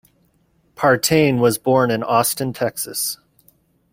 Partain was born in Austin, Texas.